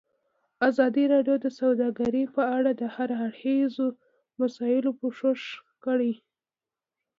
ازادي راډیو د سوداګري په اړه د هر اړخیزو مسایلو پوښښ کړی.